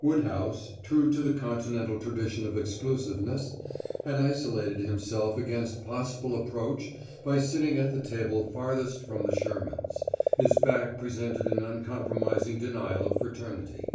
Woodhouse, true to the continental tradition of exclusiveness, had isolated himself against possible approach by sitting at the table farthest from the Shermans; his back presented an uncompromising denial of fraternity.